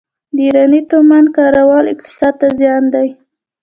د ایراني تومان کارول اقتصاد ته زیان دی.